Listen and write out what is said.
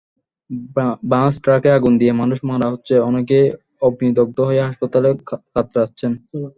বাস-ট্রাকে আগুন দিয়ে মানুষ মারা হচ্ছে, অনেকেই অগ্নিদগ্ধ হয়ে হাসপাতালে কাতরাচ্ছেন।